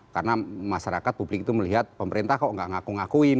karena masyarakat publik itu melihat pemerintah kok nggak ngaku ngakuin